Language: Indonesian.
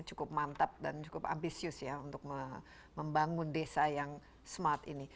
cukup mantap dan cukup ambisius ya untuk membangun desa yang smart ini